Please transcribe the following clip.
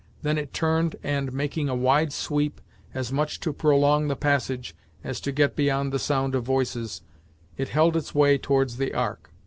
Then it turned and, making a wide sweep, as much to prolong the passage as to get beyond the sound of voices, it held its way towards the ark.